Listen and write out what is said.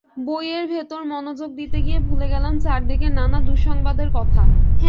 বইয়ের ভেতর মনোযোগ দিতে গিয়ে ভুলে গেলাম চারদিকের নানা দুঃসংবাদের কথা।